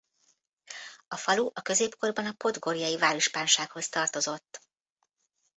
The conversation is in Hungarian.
A falu a középkorban a podgorjei várispánsághoz tartozott.